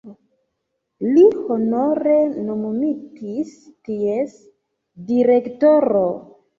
Li honore nomumitis ties direktoro.